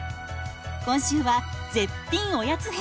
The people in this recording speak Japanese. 今週は絶品おやつ編。